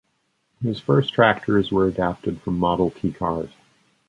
His first tractors were adapted from Model T cars.